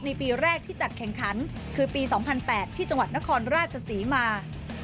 ปีแรกที่จัดแข่งขันคือปี๒๐๐๘ที่จังหวัดนครราชศรีมา